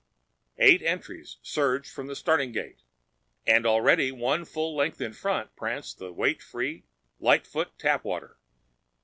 Eight entries surged from the starting gate. And already one full length out in front pranced the weight free, lightfoot Tapwater!